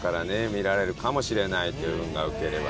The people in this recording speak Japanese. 見られるかもしれないという運が良ければ。